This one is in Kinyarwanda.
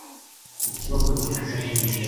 Kuki wakoze ikosa nkiryo?